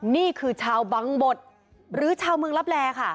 นี่คือชาวบังบดหรือชาวเมืองลับแลค่ะ